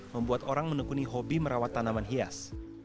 membuat orang menekuni hobi merawat tanaman hias